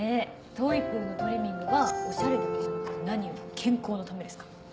トイプーのトリミングはおしゃれだけじゃなくて何より健康のためですから。